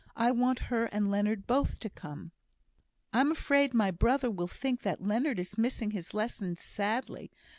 I want her and Leonard both to come." "I'm afraid my brother will think that Leonard is missing his lessons sadly.